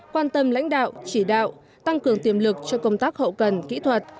quan tâm lãnh đạo chỉ đạo tăng cường tiềm lực cho công tác hậu cần kỹ thuật